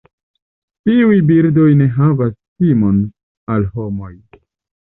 Tiuj birdoj ne havas timon al homoj.